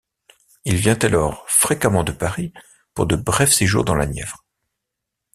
Il vient alors fréquemment de Paris pour de brefs séjours dans la Nièvre.